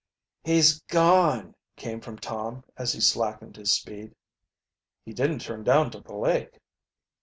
"He's gone!" came from Tom, as he slackened his speed. "He didn't turn down to the lake."